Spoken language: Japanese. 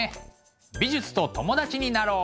美術と友達になろう！